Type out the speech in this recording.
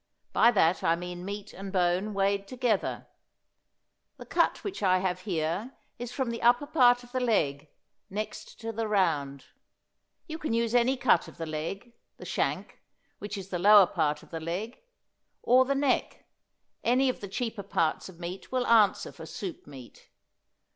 By that I mean meat and bone weighed together. The cut which I have here is from the upper part of the leg, next to the round. You can use any cut of the leg, the shank, which is the lower part of the leg, or the neck; any of the cheaper parts of meat will answer for soup meat.